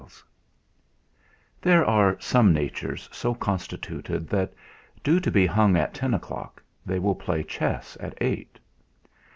III There are some natures so constituted that, due to be hung at ten o'clock, they will play chess at eight.